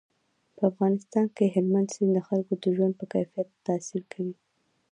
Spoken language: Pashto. په افغانستان کې هلمند سیند د خلکو د ژوند په کیفیت تاثیر کوي.